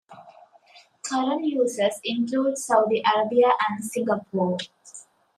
Current users include Saudi Arabia and Singapore.